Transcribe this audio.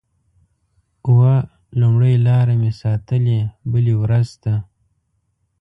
اوه…لومړۍ لاره مې ساتلې بلې ورځ ته